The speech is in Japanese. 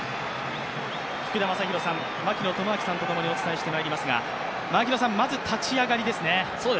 福田正博さん、槙野智章さんとともにお伝えしていきますが、まず立ち上がりですね。